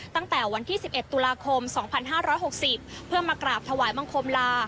ตั้งแต่วันที่๑๑ตุลาคม๒๕๖๐เพื่อมากราบถวายบังคมลา